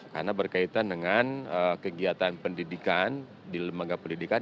karena berkaitan dengan kegiatan pendidikan di lembaga pendidikan